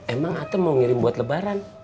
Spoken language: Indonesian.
emang atau mau ngirim buat lebaran